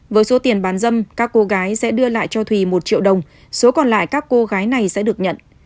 với số tiền bán dâm các cô gái sẽ đưa lại cho thùy một triệu đồng số còn lại các cô gái này sẽ được nhận